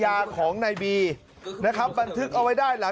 การนอนไม่จำเป็นต้องมีอะไรกัน